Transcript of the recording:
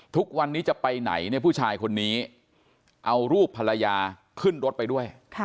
ทุกวันนี้จะไปไหนเนี่ยผู้ชายคนนี้เอารูปภรรยาขึ้นรถไปด้วย